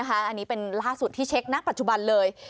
อันนี้เป็นล่าสุดที่เช็คณปัจจุบันเลย